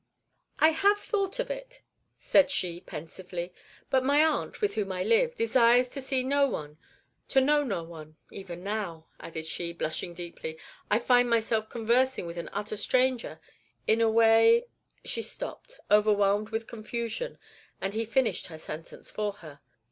"I have thought of it," said she, pensively, "but my aunt, with whom I live, desires to see no one, to know no one; even now," added she, blushing deeply, "I find myself conversing with an utter stranger, in a way " She stopped, overwhelmed with confusion, and he finished her sentence for her.